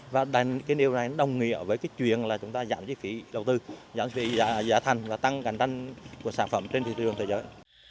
và điều này đồng nghĩa với chuyện giảm giá thành và tăng cạnh tranh của sản phẩm trên thị trường thế giới